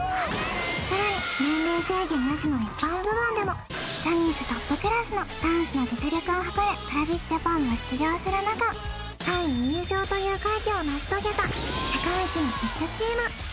さらに年齢制限なしの一般部門でもジャニーズトップクラスのダンスの実力を誇るＴｒａｖｉｓＪａｐａｎも出場する中３位入賞という快挙を成し遂げた世界一のキッズチーム